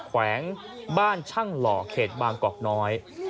แขวงบ้านช่างหล่อเขตบางกอกน้อย